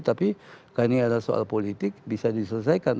tapi karena ini adalah soal politik bisa diselesaikan